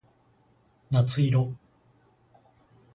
夏色